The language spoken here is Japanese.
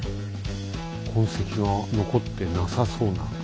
痕跡が残ってなさそうな。